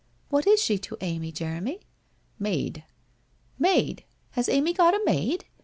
' What is she to Amy, Jeremy ?'< Maid.' ' Maid ! Has Amy got a maid